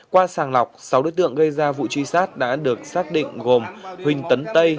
qua sàng lọc sáu đối tượng gây ra vụ truy sát đã được xác định gồm huỳnh tấn tây